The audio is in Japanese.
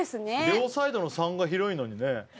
両サイドの３が広いのにね